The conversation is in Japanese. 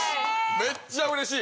めっちゃ嬉しい！